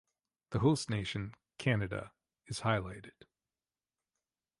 The host nation, Canada, is highlighted.